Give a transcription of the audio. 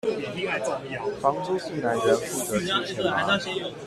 房租是男人負責出錢嗎？